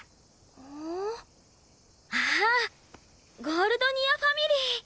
ゴールドニアファミリー！